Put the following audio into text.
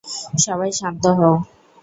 সবাই শান্ত হও!